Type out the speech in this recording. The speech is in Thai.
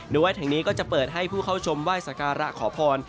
โดยวัดแห่งนี้ก็จะเปิดให้ผู้เข้าชมไหว้สักการะขอพร